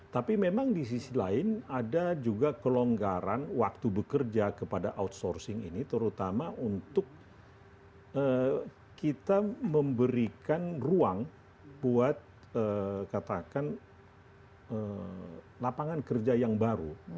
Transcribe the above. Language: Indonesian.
tapi memang di sisi lain ada juga kelonggaran waktu bekerja kepada outsourcing ini terutama untuk kita memberikan ruang buat katakan lapangan kerja yang baru